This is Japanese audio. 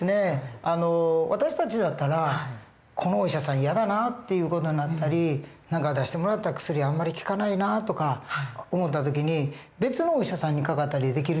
私たちだったら「このお医者さん嫌だな」っていう事になったり「何か出してもらった薬あんまり効かないな」とか思った時に別のお医者さんにかかったりできるじゃないですか。